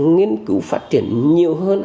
nghiên cứu phát triển nhiều hơn